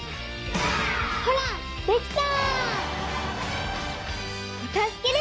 ほらできた！